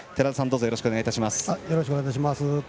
よろしくお願いします。